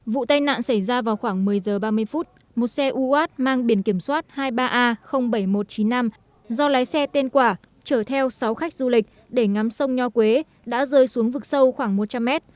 vụ tai nạn xảy ra vào khoảng một mươi h ba mươi phút một xe uat mang biển kiểm soát hai mươi ba a bảy nghìn một trăm chín mươi năm do lái xe tên quả chở theo sáu khách du lịch để ngắm sông nho quế đã rơi xuống vực sâu khoảng một trăm linh mét